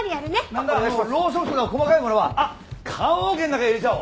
なんだロウソクとか細かいものはあっ棺桶の中に入れちゃおう。